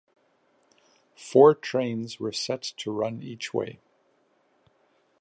Four trains were set to run each way.